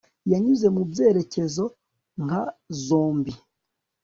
yanyuze mubyerekezo nka zombie